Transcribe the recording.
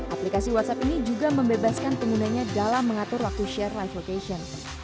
aplikasi whatsapp ini juga membebaskan penggunanya dalam mengatur waktu share live vocation